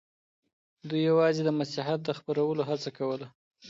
دوی یوازې د مسیحیت د خپرولو هڅه کوله.